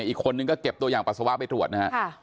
อีกคนนึงก็เก็บตัวอย่างปัสสาวะไปตรวจนะฮะ